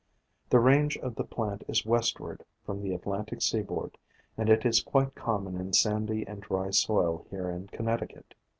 The range of the plant is westward, from the Atlantic seaboard, and it is quite common in sandy and dry soil here in Connecticut.